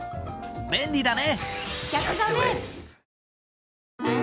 便利だね！